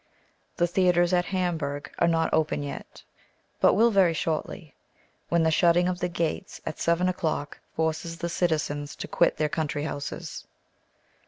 The theatres at Hamburg are not open yet, but will very shortly, when the shutting of the gates at seven o'clock forces the citizens to quit their country houses.